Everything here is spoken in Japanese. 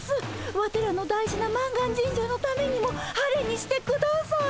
ワテらの大事な満願神社のためにも晴れにしてください。